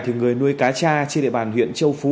thì người nuôi cá cha trên địa bàn huyện châu phú